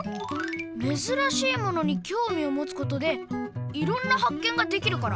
めずらしいものにきょうみをもつことでいろんなはっけんができるから！